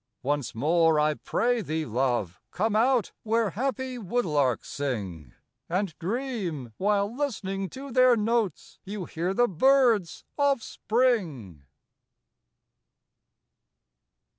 Once more, I pray thee, love, come out, Where happy woodlarks sing, And dream, while listening to their notes, You hear the birds of Spring.